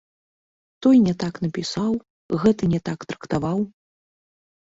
Той не так напісаў, гэты не так трактаваў.